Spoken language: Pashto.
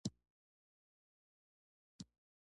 دلته تش لاس راتګ ښه نه راته وایسېد.